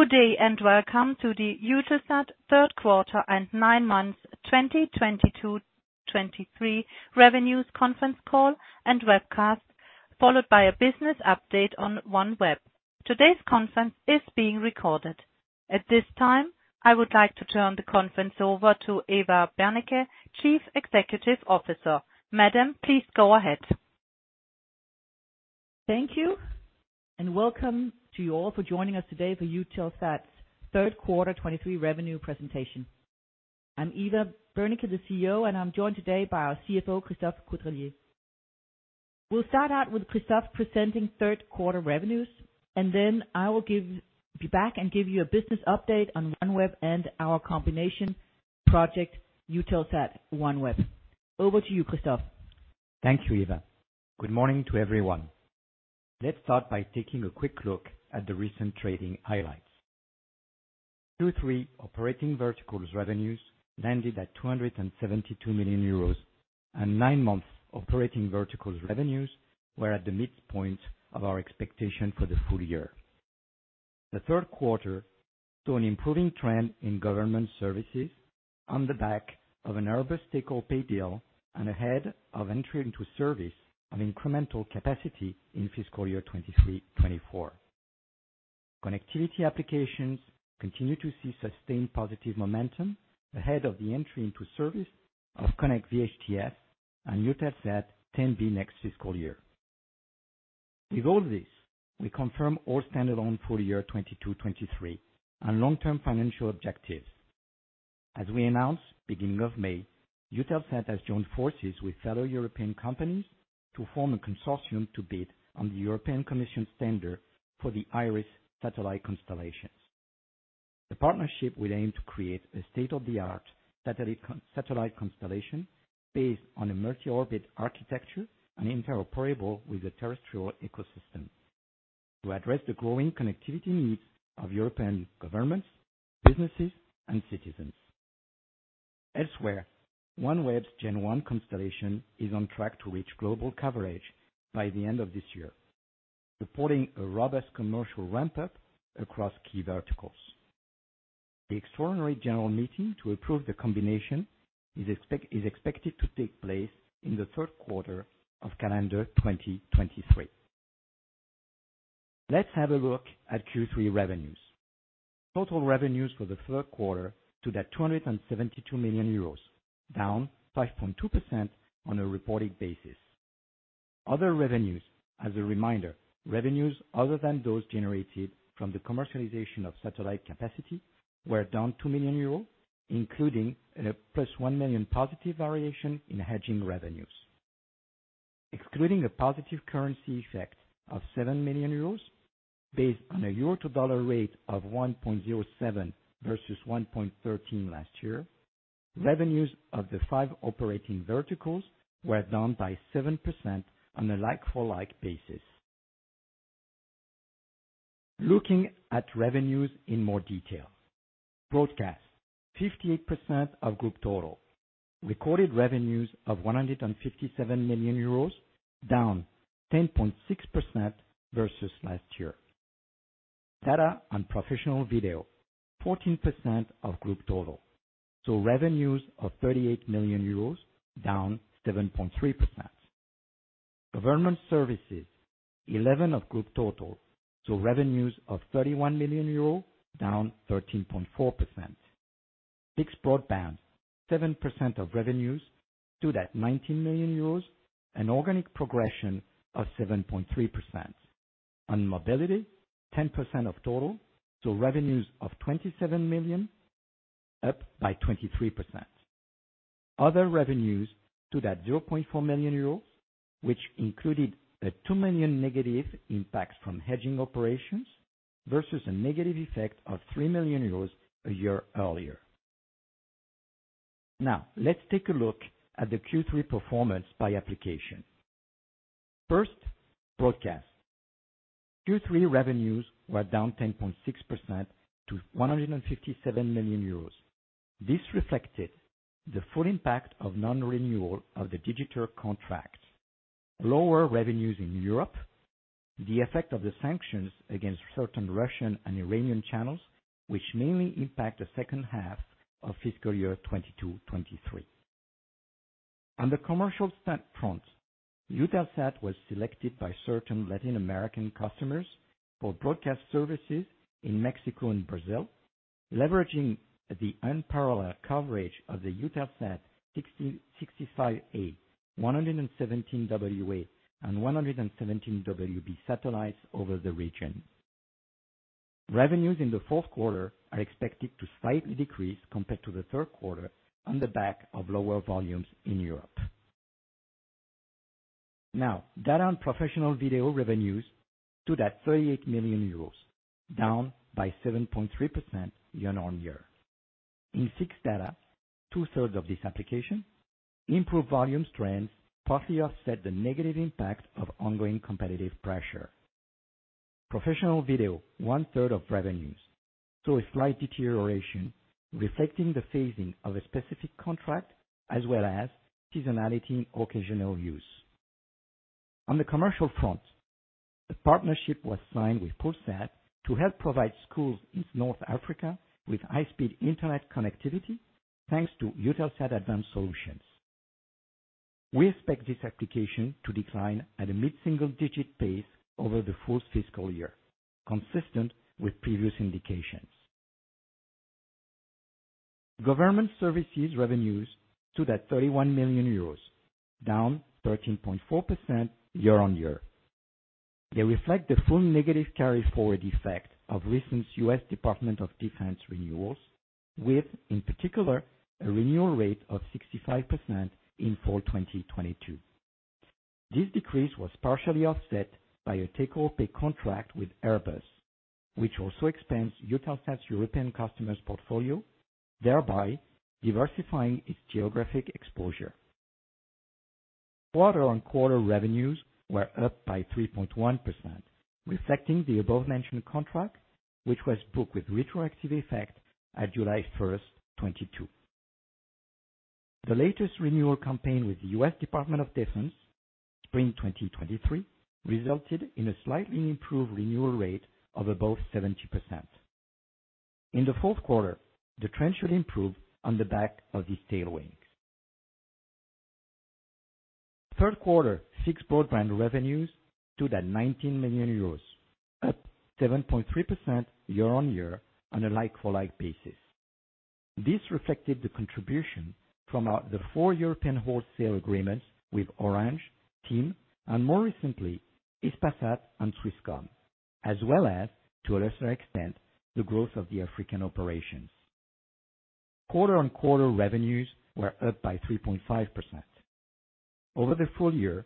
Good day. Welcome to the Eutelsat third quarter and nine months 2022/2023 revenues conference call and webcast, followed by a business update on OneWeb. Today's conference is being recorded. At this time, I would like to turn the conference over to Eva Berneke, Chief Executive Officer. Madam, please go ahead. Thank you. Welcome to you all for joining us today for Eutelsat's third quarter 2023 revenue presentation. I'm Eva Berneke, the CEO, and I'm joined today by our CFO, Christophe Caudrelier. We'll start out with Christophe presenting third quarter revenues. I will give you a business update on OneWeb and our combination project, Eutelsat OneWeb. Over to you, Christophe. Thank you, Eva. Good morning to everyone. Let's start by taking a quick look at the recent trading highlights. 2023 operating verticals revenues landed at 272 million euros, and nine months operating verticals revenues were at the midpoint of our expectation for the full year. The third quarter saw an improving trend in government services on the back of an Airbus take-or-pay deal and ahead of entry into service on incremental capacity in fiscal year 2023/2024. Connectivity applications continue to see sustained positive momentum ahead of the entry into service of KONNECT VHTS and EUTELSAT 10B next fiscal year. With all this, we confirm all standalone full year 2022/2023 and long-term financial objectives. As we announced beginning of May, Eutelsat has joined forces with fellow European companies to form a consortium to bid on the European Commission standard for the Iris satellite constellations. The partnership will aim to create a state-of-the-art satellite constellation based on a multi-orbit architecture and interoperable with the terrestrial ecosystem to address the growing connectivity needs of European governments, businesses and citizens. Elsewhere, OneWeb's Gen 1 constellation is on track to reach global coverage by the end of this year, supporting a robust commercial ramp-up across key verticals. The extraordinary general meeting to approve the combination is expected to take place in the third quarter of calendar 2023. Let's have a look at Q3 revenues. Total revenues for the third quarter stood at 272 million euros, down 5.2% on a reported basis. Other revenues, as a reminder, revenues other than those generated from the commercialization of satellite capacity were down 2 million euros, including a +1 million positive variation in hedging revenues. Excluding a positive currency effect of 7 million euros based on a EUR/USD rate of 1.07 versus 1.13 last year, revenues of the five operating verticals were down by 7% on a like-for-like basis. Looking at revenues in more detail. Broadcast, 58% of group total. Recorded revenues of 157 million euros, down 10.6% versus last year. Data and professional video, 14% of group total, revenues of 38 million euros down 7.3%. Government services, 11% of group total, revenues of 31 million euro down 13.4%. Fixed broadband, 7% of revenues stood at 19 million euros, an organic progression of 7.3%. On mobility, 10% of total, revenues of 27 million, up by 23%. Other revenues stood at 0.4 million euro, which included a 2 million negative impact from hedging operations versus a negative effect of 3 million euros a year earlier. Let's take a look at the Q3 performance by application. First, broadcast. Q3 revenues were down 10.6% to 157 million euros. This reflected the full impact of non-renewal of the Digiturk contract, lower revenues in Europe, the effect of the sanctions against certain Russian and Iranian channels, which mainly impact the second half of fiscal year 2022/2023. On the commercial front, Eutelsat was selected by certain Latin American customers for broadcast services in Mexico and Brazil, leveraging the unparalleled coverage of the EUTELSAT 65 A, EUTELSAT 117 WA, and EUTELSAT 117 WB satellites over the region. Now, data on professional video revenues stood at 38 million euros, down by 7.3% year-on-year. In fixed data, two-thirds of this application, improved volume trends partly offset the negative impact of ongoing competitive pressure. Professional video, one third of revenues, saw a slight deterioration reflecting the phasing of a specific contract as well as seasonality occasional use. On the commercial front, the partnership was signed with POULSAT to help provide schools in North Africa with high-speed internet connectivity thanks to Eutelsat advanced solutions. We expect this application to decline at a mid-single digit pace over the full fiscal year, consistent with previous indications. Government services revenues stood at 31 million euros, down 13.4% year-on-year. They reflect the full negative carry-forward effect of recent U.S. Department of Defense renewals, with, in particular, a renewal rate of 65% in fall 2022. This decrease was partially offset by a take-or-pay contract with Airbus, which also expands Eutelsat European customers portfolio, thereby diversifying its geographic exposure. Quarter-on-quarter revenues were up by 3.1%, reflecting the above-mentioned contract, which was booked with retroactive effect at July 1, 2022. The latest renewal campaign with the U.S. Department of Defense, spring 2023, resulted in a slightly improved renewal rate of above 70%. In the fourth quarter, the trend should improve on the back of these tailwinds. Third quarter fixed broadband revenues stood at 19 million euros, up 7.3% year-on-year on a like-for-like basis. This reflected the contribution from our four European wholesale agreements with Orange, TIM, and more recently, Hispasat and Swisscom, as well as, to a lesser extent, the growth of the African operations. Quarter-on-quarter revenues were up by 3.5%. Over the full year,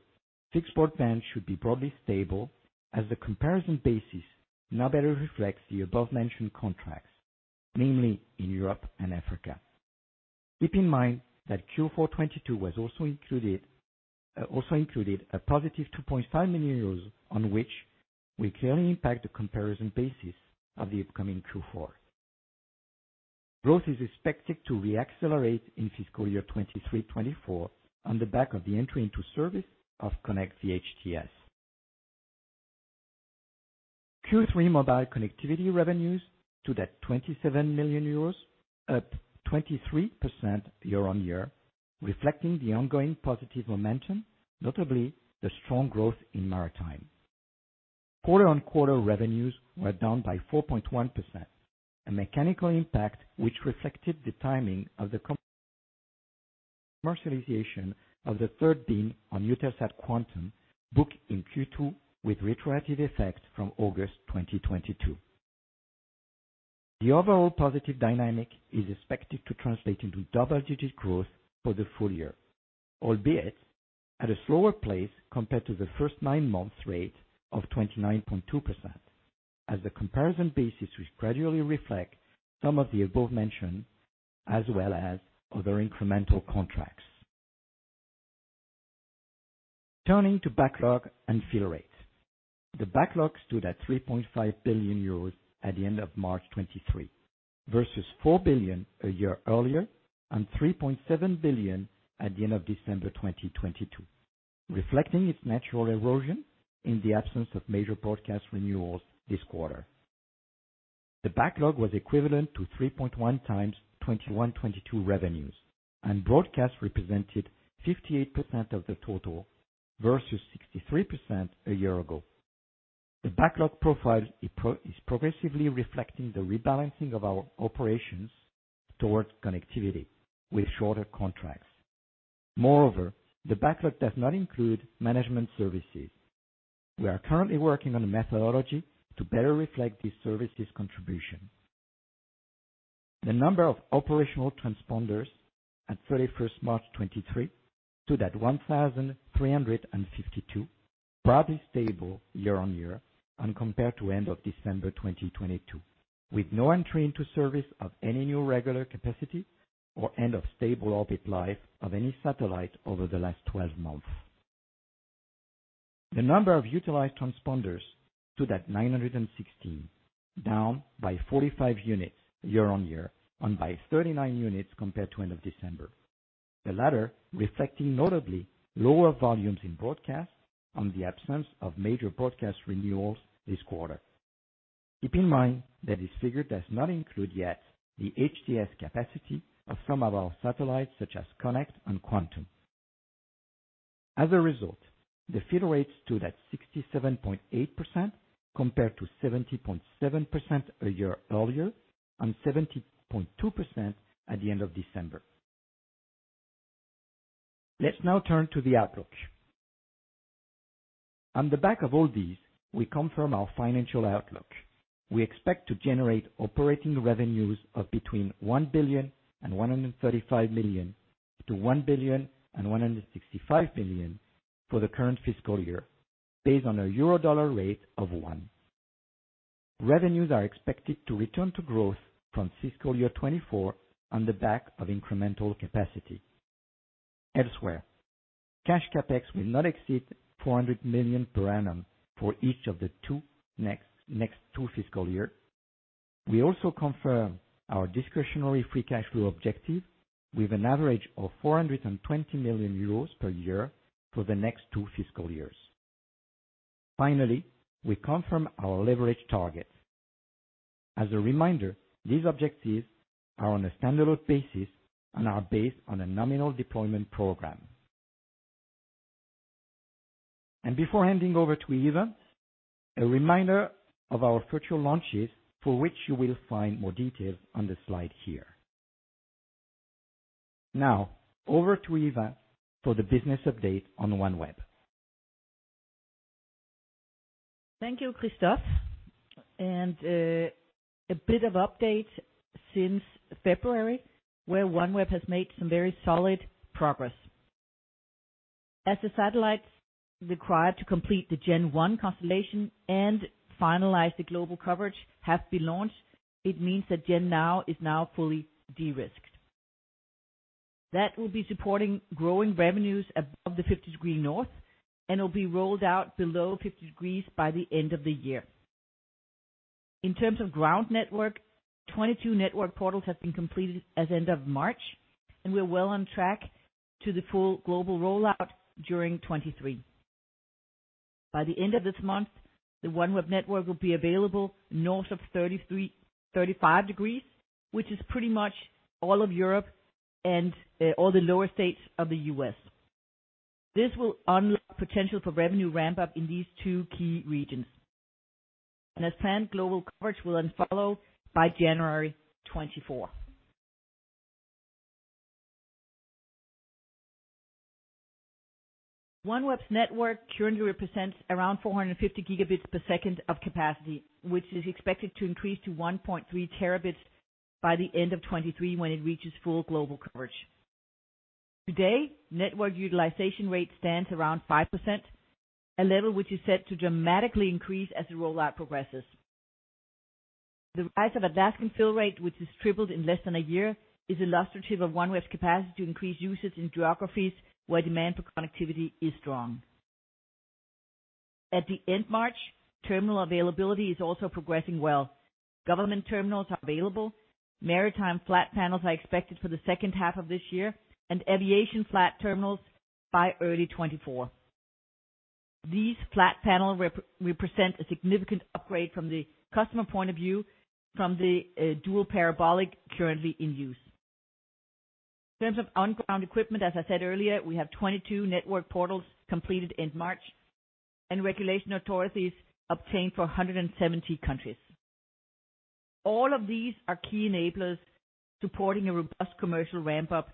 fixed broadband should be broadly stable as the comparison basis now better reflects the above-mentioned contracts, mainly in Europe and Africa. Keep in mind that Q4 2022 was also included a positive 2.5 million euros on which will clearly impact the comparison basis of the upcoming Q4. Growth is expected to re-accelerate in fiscal year 2023, 2024 on the back of the entry into service of KONNECT VHTS. Q3 mobile connectivity revenues stood at EUR 27 million, up 23% year-on-year, reflecting the ongoing positive momentum, notably the strong growth in maritime. Quarter-on-quarter revenues were down by 4.1%, a mechanical impact which reflected the timing of the commercialization of the third beam on EUTELSAT QUANTUM booked in Q2 with retroactive effect from August 2022. The overall positive dynamic is expected to translate into double-digit growth for the full year, albeit at a slower pace compared to the first nine months rate of 29.2%, as the comparison basis will gradually reflect some of the above-mentioned, as well as other incremental contracts. Turning to backlog and fill rates. The backlog stood at 3.5 billion euros at the end of March 2023 versus 4 billion a year earlier and 3.7 billion at the end of December 2022, reflecting its natural erosion in the absence of major broadcast renewals this quarter. The backlog was equivalent to 3.1x 2021-2022 revenues, and broadcast represented 58% of the total versus 63% a year ago. The backlog profile is progressively reflecting the rebalancing of our operations towards connectivity with shorter contracts. Moreover, the backlog does not include management services. We are currently working on a methodology to better reflect these services contribution. The number of operational transponders at 31st March 2023 stood at 1,352, broadly stable year-over-year and compared to end of December 2022, with no entry into service of any new regular capacity or end of stable orbit life of any satellite over the last 12 months. The number of utilized transponders stood at 916, down by 45 units year-over-year and by 39 units compared to end of December. The latter reflecting notably lower volumes in broadcast and the absence of major broadcast renewals this quarter. Keep in mind that this figure does not include yet the HTS capacity of some of our satellites such as Eutelsat Konnect and EUTELSAT QUANTUM. As a result, the fill rates stood at 67.8% compared to 70.7% a year earlier and 70.2% at the end of December. Let's now turn to the outlook. On the back of all these, we confirm our financial outlook. We expect to generate operating revenues of between 1.135 billion and 1.165 billion for the current fiscal year, based on a EUR/USD rate of 1. Revenues are expected to return to growth from fiscal year 2024 on the back of incremental capacity. Elsewhere, cash CapEx will not exceed 400 million per annum for each of the two next fiscal years. We also confirm our discretionary free cash flow objective with an average of 420 million euros per year for the next two fiscal years. Finally, we confirm our leverage target. As a reminder, these objectives are on a standalone basis and are based on a nominal deployment program. Before handing over to Eva, a reminder of our virtual launches for which you will find more details on the slide here. Over to Eva for the business update on the OneWeb. Thank you, Christophe. A bit of update since February, where OneWeb has made some very solid progress. As the satellites required to complete the Gen One constellation and finalize the global coverage have been launched, it means that Gen is now fully de-risked. That will be supporting growing revenues above the 50 degree north and will be rolled out below 50 degrees by the end of the year. In terms of ground network, 22 network portals have been completed as end of March, and we're well on track to the full global rollout during 2023. By the end of this month, the OneWeb network will be available north of 35 degrees, which is pretty much all of Europe and all the lower states of the U.S. This will unlock potential for revenue ramp-up in these two key regions. As planned, global coverage will then follow by January 2024. OneWeb's network currently represents around 450 Gb per second of capacity, which is expected to increase to 1.3 Tb by the end of 2023 when it reaches full global coverage. Today, network utilization rate stands around 5%, a level which is set to dramatically increase as the rollout progresses. The rise of Alaskan fill rate, which has tripled in less than a year, is illustrative of OneWeb's capacity to increase usage in geographies where demand for connectivity is strong. At the end of March, terminal availability is also progressing well. Government terminals are available, maritime flat panels are expected for the second half of this year, and aviation flat terminals by early 2024. These flat panel represent a significant upgrade from the customer point of view from the dual parabolic currently in use. In terms of on-ground equipment, as I said earlier, we have 22 network portals completed in March and regulation authorities obtained for 170 countries. All of these are key enablers supporting a robust commercial ramp-up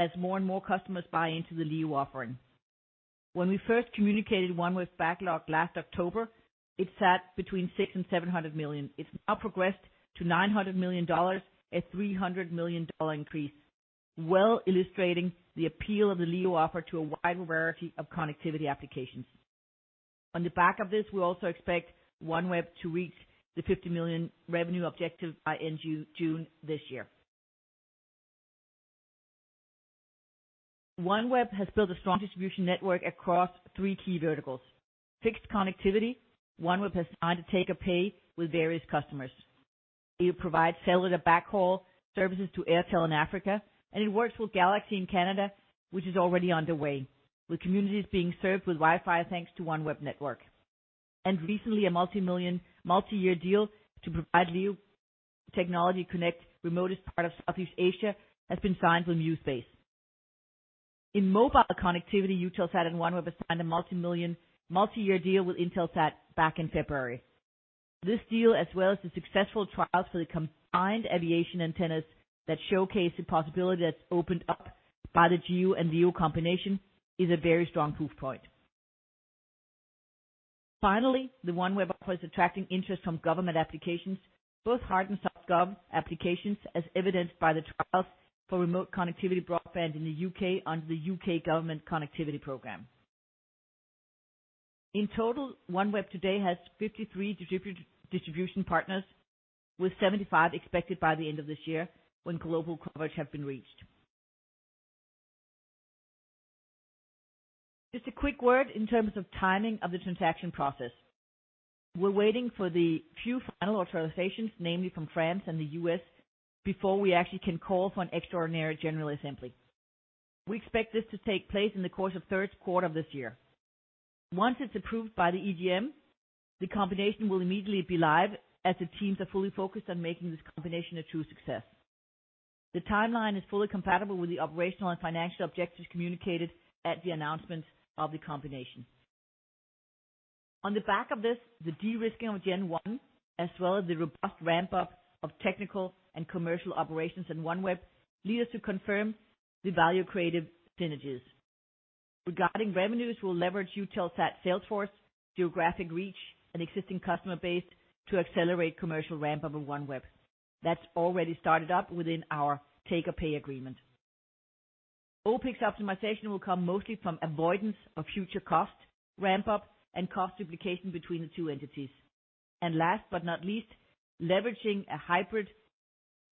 as more and more customers buy into the LEO offering. We first communicated OneWeb's backlog last October, it sat between $600 million and $700 million. It's now progressed to $900 million, a $300 million increase, well illustrating the appeal of the LEO offer to a wide variety of connectivity applications. On the back of this, we also expect OneWeb to reach the $50 million revenue objective by end of June this year. OneWeb has built a strong distribution network across three key verticals. Fixed connectivity, OneWeb has signed a take-or-pay with various customers. It provides satellite backhaul services to Airtel in Africa. It works with Galaxy in Canada, which is already underway, with communities being served with Wi-Fi thanks to OneWeb network. Recently, a multi-million, multi-year deal to provide LEO technology connect remotest part of Southeast Asia has been signed with mu Space. In mobile connectivity, Eutelsat and OneWeb have signed a multi-million, multi-year deal with Intelsat back in February. This deal, as well as the successful trials for the combined aviation antennas that showcase the possibility that's opened up by the GEO and LEO combination, is a very strong proof point. Finally, the OneWeb offer is attracting interest from government applications, both hard and soft gov applications, as evidenced by the trials for remote connectivity broadband in the UK under the Rural Gigabit Connectivity Programme. In total, OneWeb today has 53 distribution partners, with 75 expected by the end of this year when global coverage have been reached. Just a quick word in terms of timing of the transaction process. We're waiting for the few final authorizations, namely from France and the U.S., before we actually can call for an extraordinary general assembly. We expect this to take place in the course of third quarter of this year. Once it's approved by the EGM, the combination will immediately be live as the teams are fully focused on making this combination a true success. The timeline is fully compatible with the operational and financial objectives communicated at the announcement of the combination. On the back of this, the de-risking of Gen 1, as well as the robust ramp-up of technical and commercial operations in OneWeb, lead us to confirm the value creative synergies. Regarding revenues, we'll leverage Eutelsat sales force, geographic reach, and existing customer base to accelerate commercial ramp-up in OneWeb. That's already started up within our take-or-pay agreement. OpEx optimization will come mostly from avoidance of future cost ramp-up and cost duplication between the two entities. Last but not least, leveraging a hybrid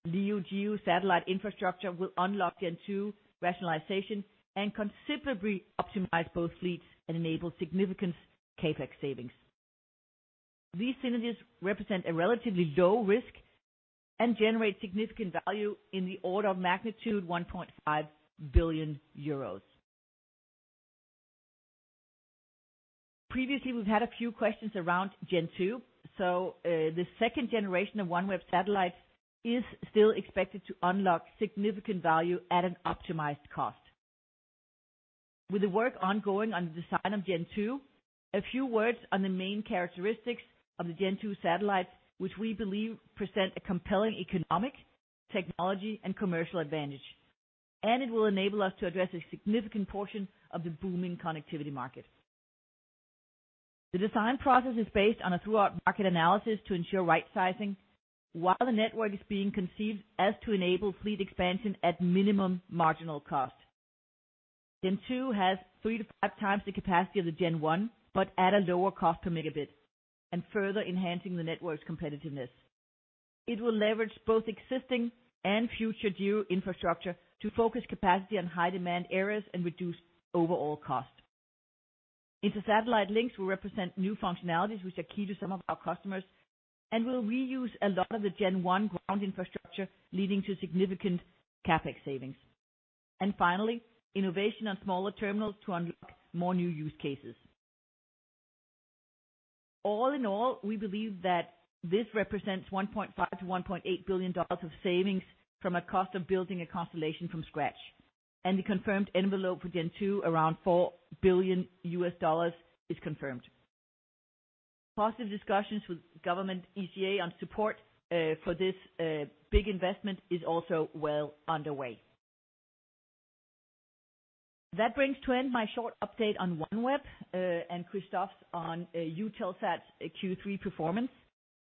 LEO-GEO satellite infrastructure will unlock Gen 2 rationalization and considerably optimize both fleets and enable significant CapEx savings. These synergies represent a relatively low risk and generate significant value in the order of magnitude 1.5 billion euros. Previously, we've had a few questions around Gen 2. The second generation of OneWeb satellite is still expected to unlock significant value at an optimized cost. With the work ongoing on the design of Gen 2, a few words on the main characteristics of the Gen 2 satellite, which we believe present a compelling economic, technology, and commercial advantage. It will enable us to address a significant portion of the booming connectivity market. The design process is based on a throughout market analysis to ensure right-sizing, while the network is being conceived as to enable fleet expansion at minimum marginal cost. Gen 2 has 3x-5x the capacity of the Gen 1, but at a lower cost per megabit and further enhancing the network's competitiveness. It will leverage both existing and future GEO infrastructure to focus capacity on high demand areas and reduce overall cost. Inter-satellite links will represent new functionalities which are key to some of our customers and will reuse a lot of the Gen 1 ground infrastructure, leading to significant CapEx savings. Finally, innovation on smaller terminals to unlock more new use cases. All in all, we believe that this represents $1.5 billion-$1.8 billion of savings from a cost of building a constellation from scratch. The confirmed envelope for Gen 2, around $4 billion is confirmed. Positive discussions with government ECA on support for this big investment is also well underway. That brings to end my short update on OneWeb and Christophe's on Eutelsat's Q3 performance.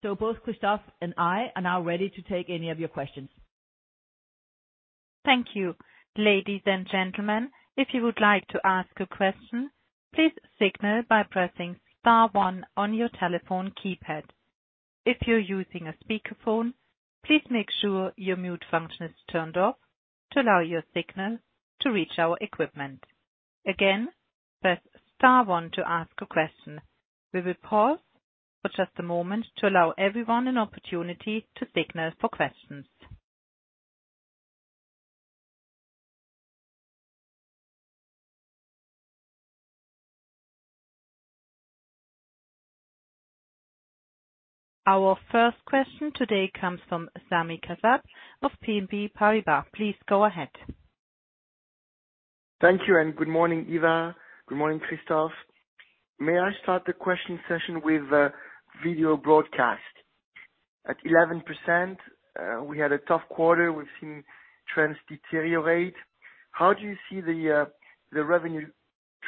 Both Christophe and I are now ready to take any of your questions. Thank you, ladies and gentlemen. If you would like to ask a question, please signal by pressing star one on your telephone keypad. If you're using a speakerphone, please make sure your mute function is turned off to allow your signal to reach our equipment. Again, press star one to ask a question. We will pause for just a moment to allow everyone an opportunity to signal for questions. Our first question today comes from Sami Kassab of BNP Paribas. Please go ahead. Thank you. Good morning, Eva. Good morning, Christophe. May I start the question session with video broadcast? At 11%, we had a tough quarter. We've seen trends deteriorate. How do you see the revenue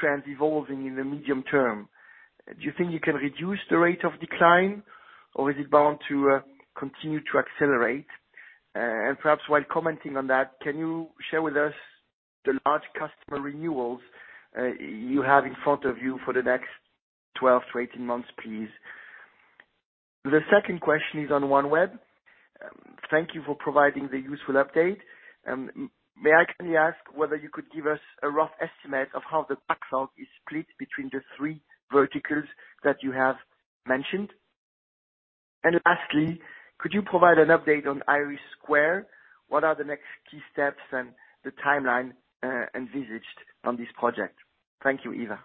trends evolving in the medium term? Do you think you can reduce the rate of decline or is it bound to continue to accelerate? Perhaps while commenting on that, can you share with us the large customer renewals you have in front of you for the next 12-18 months, please? The second question is on OneWeb. Thank you for providing the useful update. May I kindly ask whether you could give us a rough estimate of how the backhaul is split between the three verticals that you have mentioned? Lastly, could you provide an update on IRIS²? What are the next key steps and the timeline envisaged on this project? Thank you, Eva.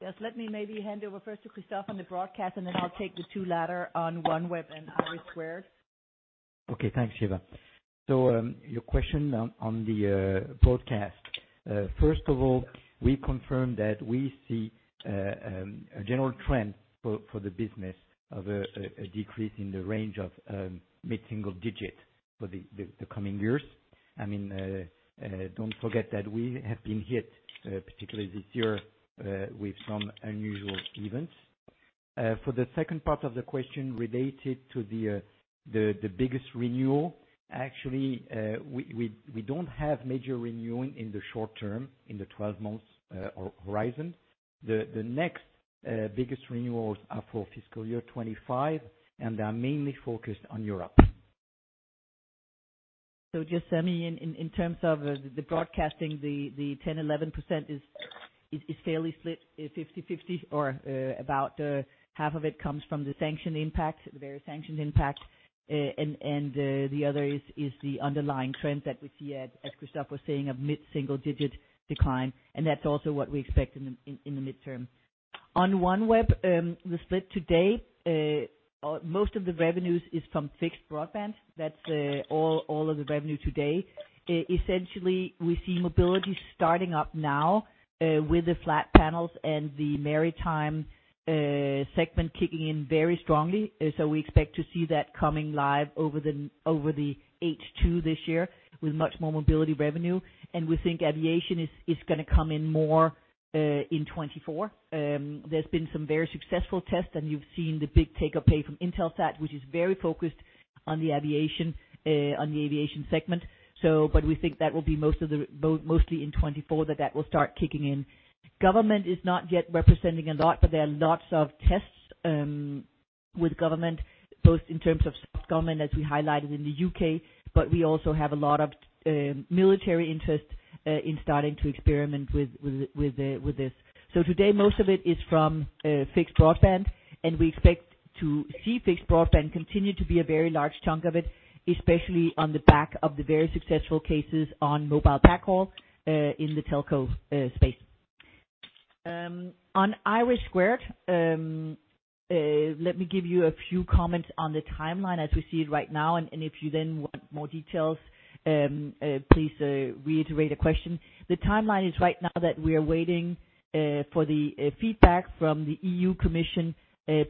Yes. Let me maybe hand over first to Christophe on the broadcast, then I'll take the two latter on OneWeb and IRIS². Okay. Thanks, Eva. Your question on the broadcast. First of all, we confirm that we see a general trend for the business of a decrease in the range of mid-single digit for the coming years. I mean, don't forget that we have been hit particularly this year with some unusual events. For the second part of the question related to the biggest renewal. Actually, we don't have major renewing in the short term, in the 12 months horizon. The next biggest renewals are for fiscal year 25, and they are mainly focused on Europe. Just, I mean, in terms of the broadcasting, the 10%, 11% is fairly split 50/50 or about half of it comes from the sanction impact, the various sanctions impact. The other is the underlying trend that we see as Christophe was saying, a mid-single digit decline. That's also what we expect in the midterm. On OneWeb, the split to date, or most of the revenues is from fixed broadband. That's all of the revenue today. Essentially we see mobility starting up now with the flat panels and the maritime segment kicking in very strongly. We expect to see that coming live over the H2 this year with much more mobility revenue. We think aviation is gonna come in more in 2024. There's been some very successful tests, and you've seen the big take or pay from Intelsat, which is very focused on the aviation on the aviation segment, so. We think that will be mostly in 2024 that will start kicking in. Government is not yet representing a lot, but there are lots of tests with government, both in terms of government, as we highlighted in the UK, but we also have a lot of military interest in starting to experiment with this. Today, most of it is from fixed broadband, and we expect to see fixed broadband continue to be a very large chunk of it, especially on the back of the very successful cases on mobile backhaul in the telco space. On IRIS², let me give you a few comments on the timeline as we see it right now, and if you want more details, please reiterate a question. The timeline is right now that we are waiting for the feedback from the EU Commission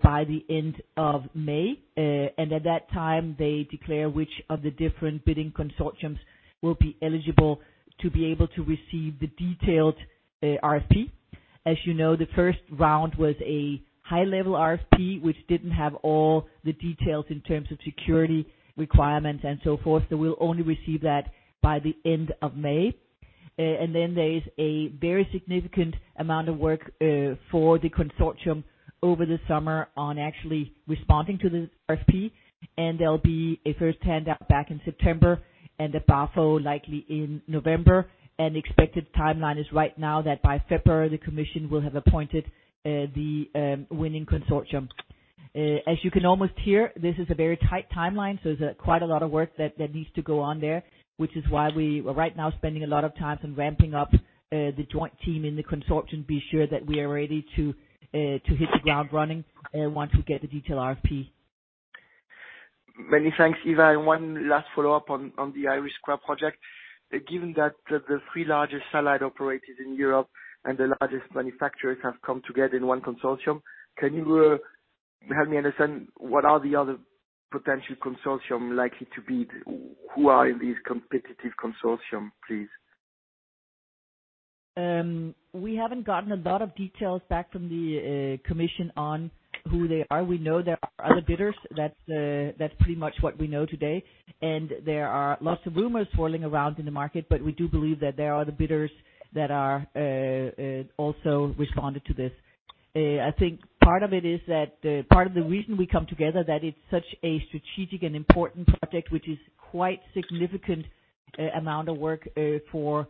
by the end of May. At that time, they declare which of the different bidding consortiums will be eligible to be able to receive the detailed RFP. As you know, the first round was a high-level RFP, which didn't have all the details in terms of security requirements and so forth. We'll only receive that by the end of May. Then there's a very significant amount of work for the consortium over the summer on actually responding to the RFP, and there'll be a first handout back in September and the PAFO likely in November. Expected timeline is right now that by February, the Commission will have appointed the winning consortium. As you can almost hear, this is a very tight timeline, so it's quite a lot of work that needs to go on there, which is why we are right now spending a lot of time on ramping up the joint team in the consortium, be sure that we are ready to hit the ground running once we get the detailed RFP. Many thanks, Eva. One last follow-up on the IRIS² project. Given that the three largest satellite operators in Europe and the largest manufacturers have come together in one consortium, can you help me understand what are the other potential consortium likely to be? Who are these competitive consortium, please? We haven't gotten a lot of details back from the Commission on who they are. We know there are other bidders. That's pretty much what we know today. There are lots of rumors swirling around in the market, but we do believe that there are other bidders that are also responded to this. I think part of it is that part of the reason we come together that it's such a strategic and important project, which is quite significant amount of work for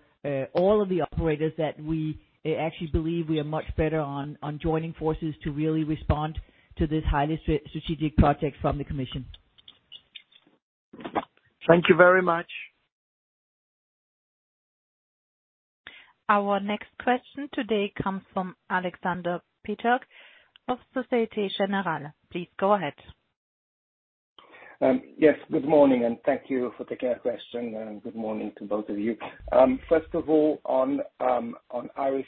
all of the operators that we actually believe we are much better on joining forces to really respond to this highly strategic project from the Commission. Thank you very much. Our next question today comes from Alexander Peterc of Société Générale. Please go ahead. Yes, good morning, and thank you for taking our question, and good morning to both of you. First of all, on IRIS²,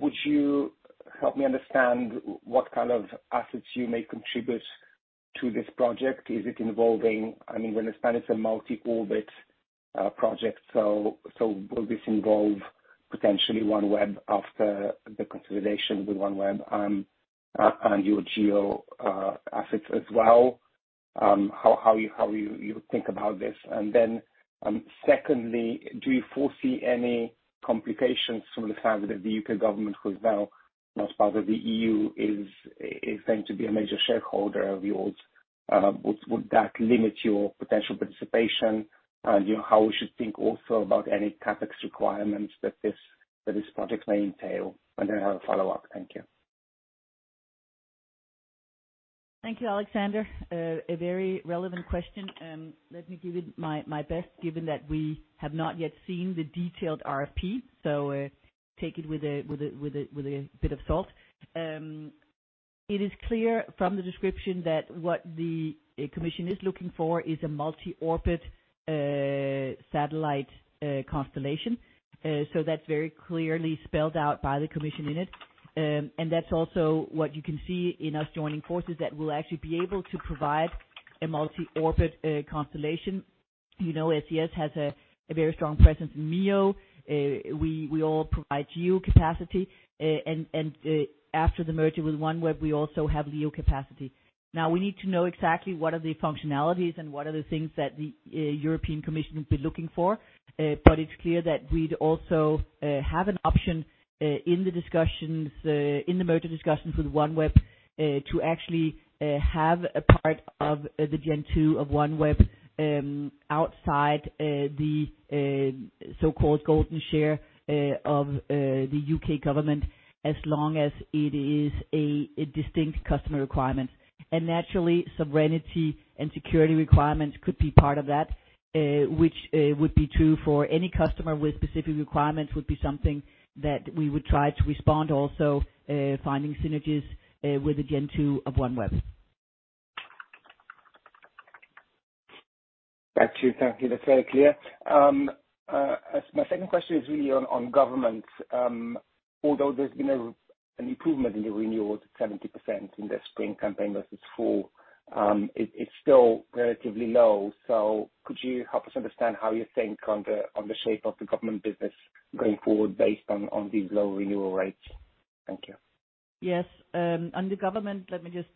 would you help me understand what kind of assets you may contribute to this project? Is it involving, I mean, we understand it's a multi-orbit project, so will this involve potentially OneWeb after the consolidation with OneWeb, and your GEO assets as well? How you think about this? Secondly, do you foresee any complications from the fact that the U.K. government, who is now not part of the E.U., is going to be a major shareholder of yours? Would that limit your potential participation? You know, how we should think also about any CapEx requirements that this project may entail? I have a follow-up. Thank you. Thank you, Alexander. A very relevant question. Let me give you my best given that we have not yet seen the detailed RFP. Take it with a bit of salt. It is clear from the description that what the commission is looking for is a multi-orbit satellite constellation. That's very clearly spelled out by the commission in it. That's also what you can see in us joining forces that we'll actually be able to provide a multi-orbit constellation. You know, SES has a very strong presence in MEO. We all provide GEO capacity. After the merger with OneWeb, we also have LEO capacity. Now we need to know exactly what are the functionalities and what are the things that the European Commission will be looking for. It's clear that we'd also have an option in the discussions in the merger discussions with OneWeb to actually have a part of the Gen 2 of OneWeb outside the so-called golden share of the U.K. government, as long as it is a distinct customer requirement. Naturally, sovereignty and security requirements could be part of that, which would be true for any customer with specific requirements, would be something that we would try to respond also finding synergies with the Gen 2 of OneWeb. Got you. Thank you. That's very clear. My second question is really on government. Although there's been an improvement in the renewals, 70% in the spring campaign versus fall, it's still relatively low. Could you help us understand how you think on the shape of the government business going forward based on these low renewal rates? Thank you. Yes. On the government, let me just,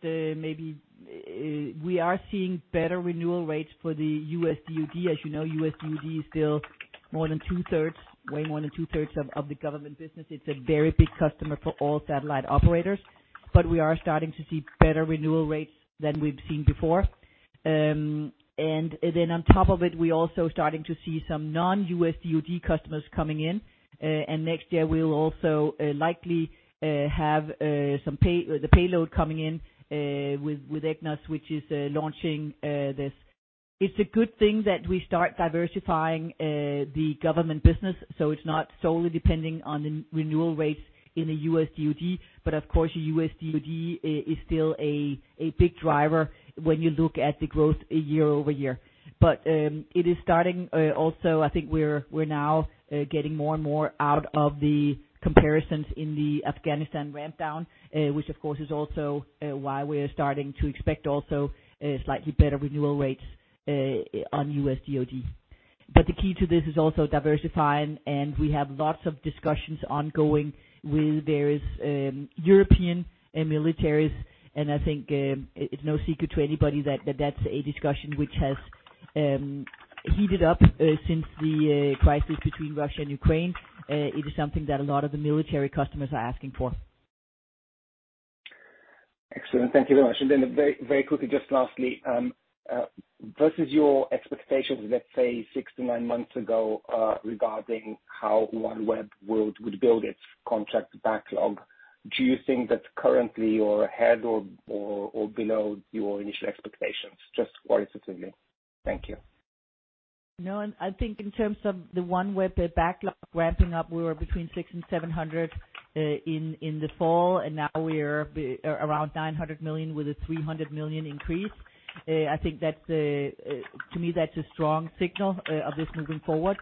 we are seeing better renewal rates for the U.S. DOD. As you know, U.S. DOD is still more than two-thirds, way more than two-thirds of the government business. It's a very big customer for all satellite operators. We are starting to see better renewal rates than we've seen before. On top of it, we're also starting to see some non-U.S. DOD customers coming in. Next year we'll also likely have the payload coming in with EGNOS, which is launching this. It's a good thing that we start diversifying the government business, so it's not solely depending on the renewal rates in the U.S. DOD. Of course, U.S. DOD is still a big driver when you look at the growth year-over-year. It is starting also, I think, we're now getting more and more out of the comparisons in the Afghanistan ramp down, which of course is also why we're starting to expect also slightly better renewal rates on U.S. DOD. The key to this is also diversifying, and we have lots of discussions ongoing with various European militaries. I think it's no secret to anybody that that's a discussion which has heated up since the crisis between Russia and Ukraine. It is something that a lot of the military customers are asking for. Excellent. Thank you very much. Very, very quickly, just lastly, versus your expectations, let's say six to nine months ago, regarding how OneWeb would build its contract backlog, do you think that's currently or ahead or below your initial expectations, just qualitatively? Thank you. I think in terms of the OneWeb, the backlog ramping up, we were between 600 million-700 million in the fall, and now we're around 900 million, with a 300 million increase. I think that's to me, that's a strong signal of this moving forward.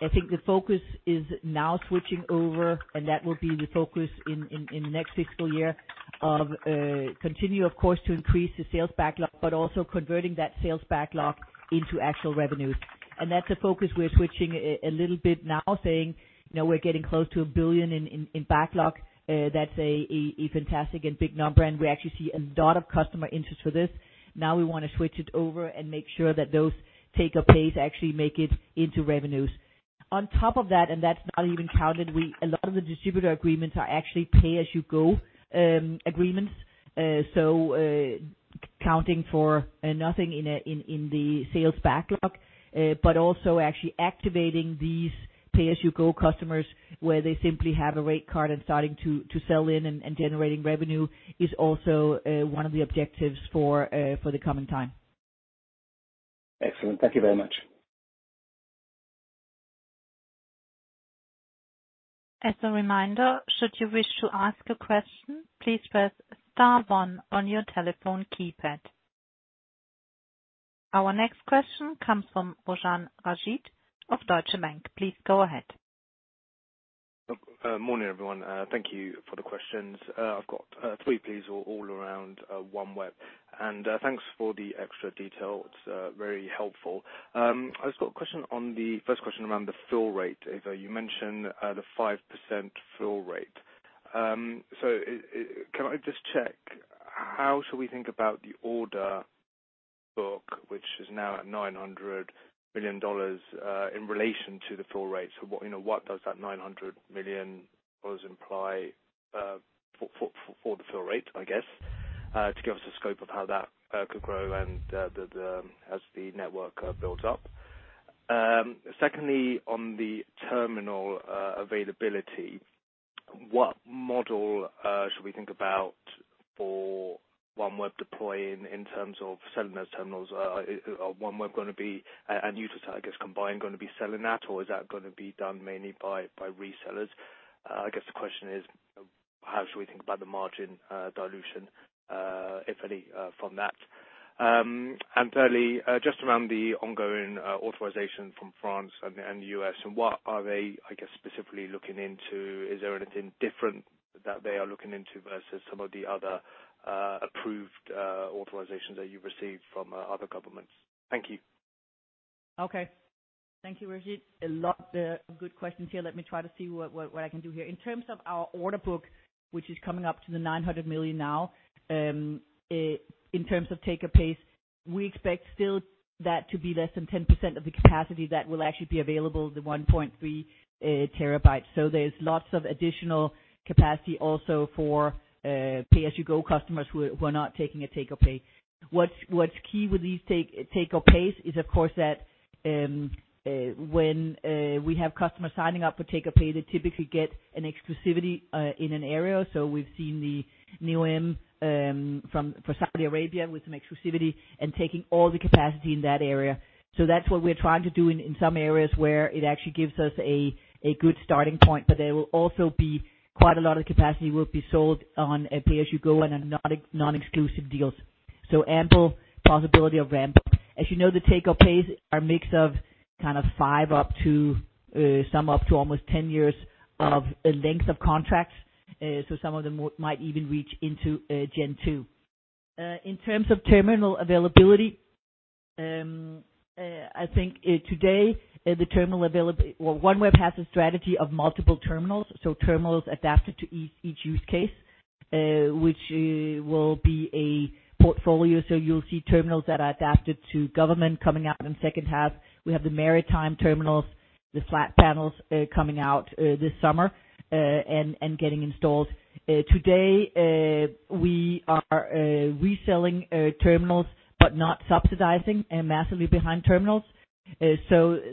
I think the focus is now switching over, and that will be the focus in next fiscal year of continue of course, to increase the sales backlog, but also converting that sales backlog into actual revenues. That's a focus we're switching a little bit now saying, you know, we're getting close to 1 billion in backlog. That's a fantastic and big number, and we actually see a lot of customer interest for this. We wanna switch it over and make sure that those take-or-pay actually make it into revenues. On top of that's not even counted, a lot of the distributor agreements are actually pay-as-you-go agreements. Counting for nothing in the sales backlog, but also actually activating these pay-as-you-go customers where they simply have a rate card and starting to sell in and generating revenue is also one of the objectives for the coming time. Excellent. Thank you very much. As a reminder, should you wish to ask a question, please press star one on your telephone keypad. Our next question comes from Bojan Rajic of Deutsche Bank. Please go ahead. Morning, everyone. Thank you for the questions. I've got three please, all around OneWeb. Thanks for the extra detail. It's very helpful. I've just got a question on the first question around the fill rate. Eva, you mentioned the 5% fill rate. Can I just check, how should we think about the order book, which is now at $900 billion, in relation to the fill rate? What, you know, what does that $900 million imply for the fill rate, I guess, to give us a scope of how that could grow and the as the network builds up? Secondly, on the terminal availability, what model should we think about for OneWeb deploying in terms of selling those terminals? OneWeb gonna be, and Eutelsat, I guess combined, gonna be selling that or is that gonna be done mainly by resellers? I guess the question is, how should we think about the margin dilution, if any, from that? Thirdly, just around the ongoing authorization from France and the U.S., and what are they, I guess, specifically looking into? Is there anything different that they are looking into versus some of the other approved authorizations that you've received from other governments? Thank you. Okay. Thank you, Rajic. A lot of good questions here. Let me try to see what I can do here. In terms of our order book, which is coming up to $900 million now, in terms of take-up pace, we expect still that to be less than 10% of the capacity that will actually be available, the 1.3 TB. There's lots of additional capacity also for pay-as-you-go customers who are not taking a take-or-pay. What's key with these take-or-pays is of course that when we have customers signing up for take-or-pay, they typically get an exclusivity in an area. We've seen the new IM from Saudi Arabia with some exclusivity and taking all the capacity in that area. That's what we're trying to do in some areas where it actually gives us a good starting point. There will also be quite a lot of capacity will be sold on a pay-as-you-go and on non-exclusive deals. Ample possibility of ramp. As you know, the take-or-pays are a mix of kind of five up to some up to almost 10 years of length of contracts. Some of them might even reach into Gen 2. In terms of terminal availability, I think today the terminal well, OneWeb has a strategy of multiple terminals, so terminals adapted to each use case, which will be a portfolio. You'll see terminals that are adapted to government coming out in the second half. We have the maritime terminals, the flat panels, coming out this summer, and getting installed. Today, we are reselling terminals but not subsidizing and massively behind terminals.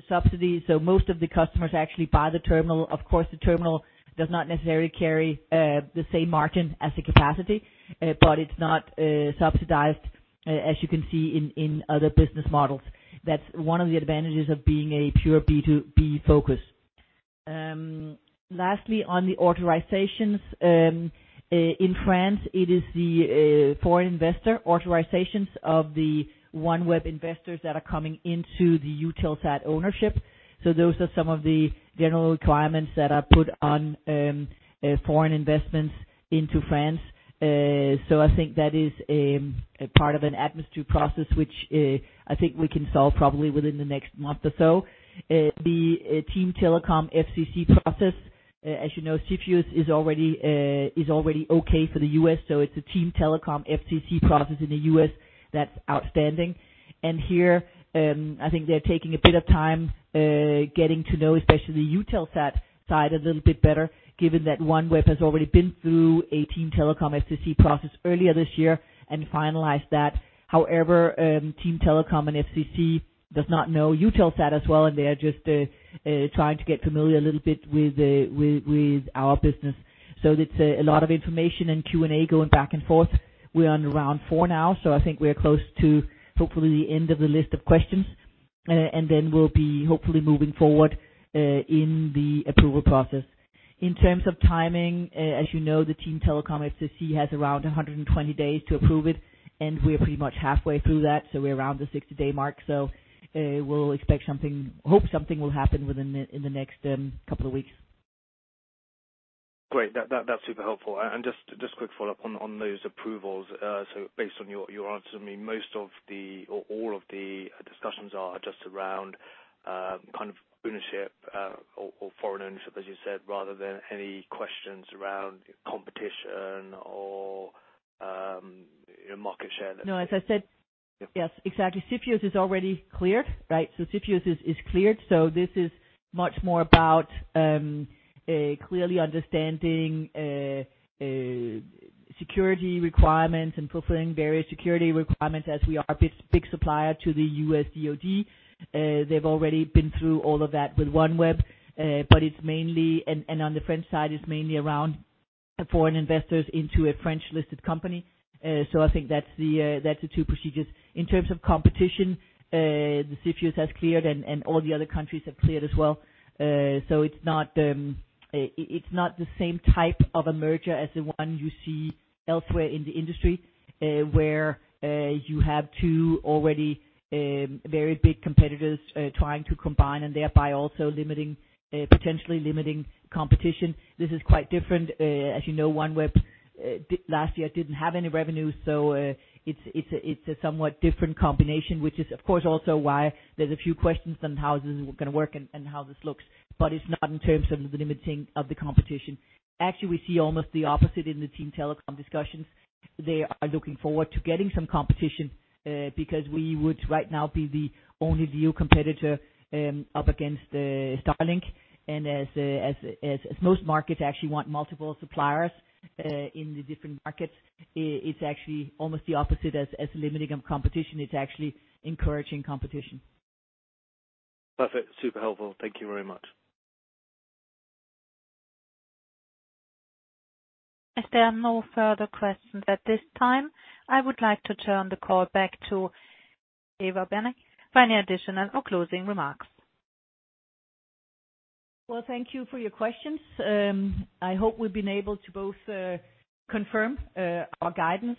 Subsidies... most of the customers actually buy the terminal. Of course, the terminal does not necessarily carry the same margin as the capacity, but it's not subsidized, as you can see in other business models. That's one of the advantages of being a pure B2B focus. Lastly, on the authorizations, in France, it is the foreign investor authorizations of the OneWeb investors that are coming into the Eutelsat ownership. Those are some of the general requirements that are put on foreign investments into France. I think that is a part of an administrative process, which I think we can solve probably within the next month or so. The Team Telecom FCC process. As you know, CFIUS is already is already okay for the U.S., so it's a Team Telecom FCC process in the U.S. that's outstanding. Here, I think they're taking a bit of time, getting to know especially the Eutelsat side a little bit better, given that OneWeb has already been through a Team Telecom FCC process earlier this year and finalized that. Team Telecom and FCC does not know Eutelsat as well, they are just trying to get familiar a little bit with our business. It's a lot of information and Q&A going back and forth. We're on round four now, so I think we are close to hopefully the end of the list of questions. We'll be hopefully moving forward in the approval process. In terms of timing, as you know, the Team Telecom FCC has around 120 days to approve it, and we're pretty much halfway through that, so we're around the 60-day mark. We'll expect something will happen within the next couple of weeks. Great. That's super helpful. Just quick follow-up on those approvals. Based on your answer, I mean, most of the or all of the discussions are just around, kind of ownership, or foreign ownership, as you said, rather than any questions around competition or, you know, market share. No, as I said... Yes, exactly. CFIUS is already cleared, right? CFIUS is cleared. This is much more about clearly understanding security requirements and fulfilling various security requirements as we are a big supplier to the U.S. DOD. They've already been through all of that with OneWeb. It's mainly. On the French side, it's mainly around foreign investors into a French-listed company. I think that's the two procedures. In terms of competition, the CFIUS has cleared and all the other countries have cleared as well. It's not the same type of a merger as the one you see elsewhere in the industry, where you have two already very big competitors trying to combine and thereby also limiting, potentially limiting competition. This is quite different. As you know, OneWeb last year didn't have any revenue, so it's a somewhat different combination, which is of course also why there's a few questions on how this is gonna work and how this looks, but it's not in terms of the limiting of the competition. Actually, we see almost the opposite in the Team Telecom discussions. They are looking forward to getting some competition, because we would right now be the only new competitor up against Starlink. As most markets actually want multiple suppliers, in the different markets, it's actually almost the opposite as limiting of competition. It's actually encouraging competition. Perfect. Super helpful. Thank you very much. If there are no further questions at this time, I would like to turn the call back to Eva Berneke for any additional or closing remarks. Well, thank you for your questions. I hope we've been able to both confirm our guidance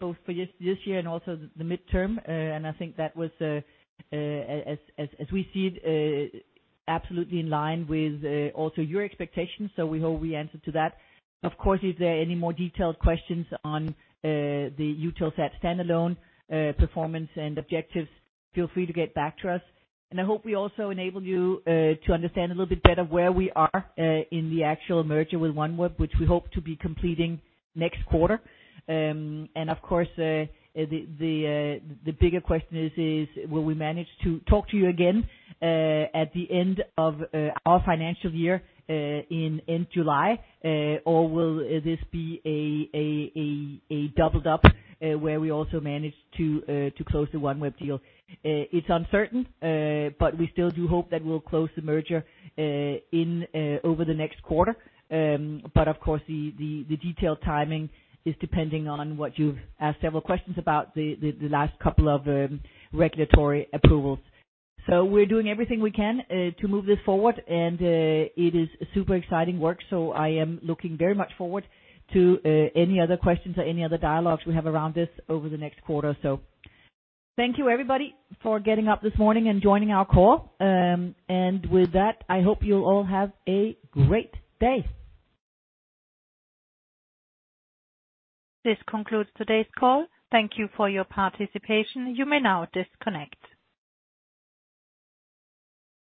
both for this year and also the midterm. I think that was as we see it absolutely in line with also your expectations, so we hope we answered to that. Of course, if there are any more detailed questions on the Eutelsat standalone performance and objectives, feel free to get back to us. I hope we also enabled you to understand a little bit better where we are in the actual merger with OneWeb, which we hope to be completing next quarter. Of course, the bigger question is, will we manage to talk to you again at the end of our financial year in July? Will this be a doubled up where we also manage to close the OneWeb deal? It's uncertain, we still do hope that we'll close the merger in over the next quarter. Of course, the detailed timing is depending on what you've asked several questions about the last couple of regulatory approvals. We're doing everything we can to move this forward, and it is super exciting work. I am looking very much forward to any other questions or any other dialogues we have around this over the next quarter. Thank you, everybody, for getting up this morning and joining our call. With that, I hope you'll all have a great day. This concludes today's call. Thank Thank you for your participation. You may now disconnect.